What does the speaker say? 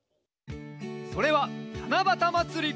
それはたなばたまつり！